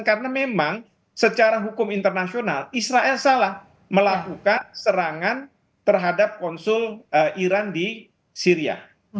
karena memang secara hukum internasional israel salah melakukan serangan terhadap konsul iran di syria